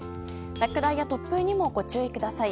落雷や突風にもご注意ください。